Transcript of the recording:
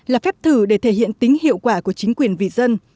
là phép thử để thể hiện tính hiệu quả của chính quyền vì dân